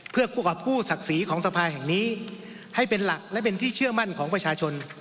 เพื่อคู่กับผู้ศักดิ์ศรีของสภาแห่งนี้ให้เป็นหลักและเป็นที่เชื่อมั่นของประชาชน